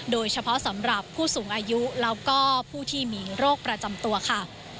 โดยเฉพาะสำหรับผู้สูงอายุแล้วก็ผู้ที่มีโรคประจำตัวค่ะ